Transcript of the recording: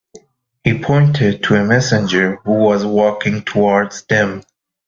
He pointed to a messenger who was walking towards them.